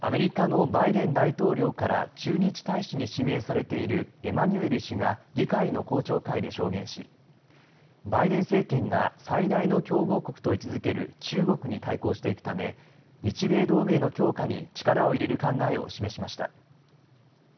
アメリカのバイデン大統領から駐日大使に指名されているエマニュエル氏が議会の公聴会で証言し、バイデン政権が最大の競合国と位置づける中国に対抗していくため日米同盟の強化に力を入れる考えを示しました。